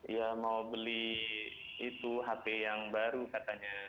ya mau beli itu hp yang baru katanya